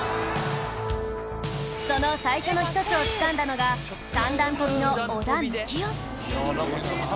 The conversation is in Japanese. その最初の一つをつかんだのが三段跳びの織田幹雄